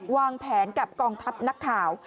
วางแผนกับกองทัพนักข่าว